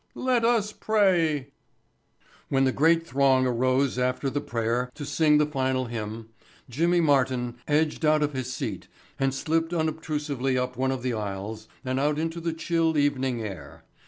Let us pray." When the great throng arose after the prayer to sing the final hymn Jimmy Martin edged out of his seat and slipped unobtrusively up one of the aisles and out into the chill evening air.